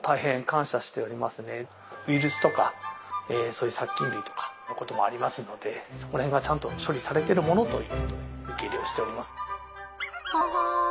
ウイルスとかそういう殺菌類とかのこともありますのでそこら辺がちゃんと処理されてるものということで受け入れをしております。